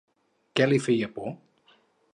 Què li feia por?